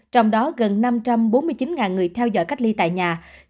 trong đó gần năm trăm bốn mươi chín người theo dõi cách ly tại nhà